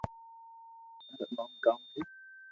ٿارو نوم ڪاؤ ھي